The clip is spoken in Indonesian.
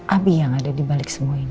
abi yang ada dibalik semua ini